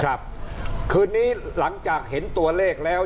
ครับคืนนี้หลังจากเห็นตัวเลขแล้ว